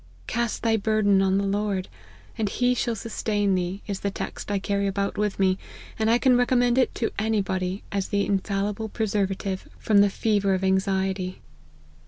' Cast thy burden on the Lord, and he shall sustain thee,' is the text I carry about with me, and I can recommend it to any body as an infallible preservative from the fever of anxiety."